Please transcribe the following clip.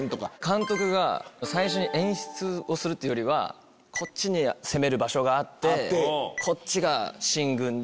監督が最初に演出をするっていうよりはこっちに攻める場所があってこっちが秦軍で。